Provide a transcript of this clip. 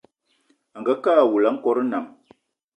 Angakë awula a nkòt nnam